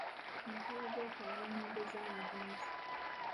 Ku mukolo gw'okwabya ennyimbe z'abagenzi